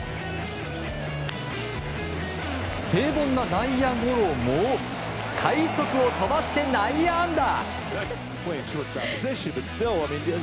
平凡な内野ゴロも快足を飛ばして内野安打。